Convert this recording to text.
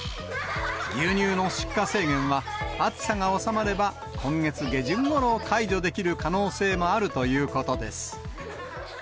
牛乳の出荷制限は、暑さが収まれば、今月下旬ごろ、解除できる可能性もあるということです。